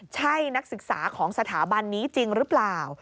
ใช่นักศึกษาของสถาบันนี้จริงหรือเปล่า